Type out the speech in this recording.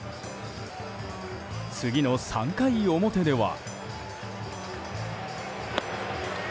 次の３回表では。